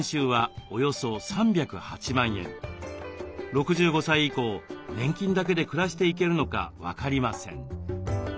６５歳以降年金だけで暮らしていけるのか分かりません。